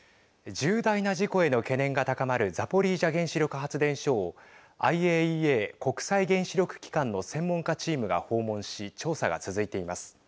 重大な事故への懸念が高まるザポリージャ原子力発電所をＩＡＥＡ＝国際原子力機関の専門家チームが訪問し調査が続いています。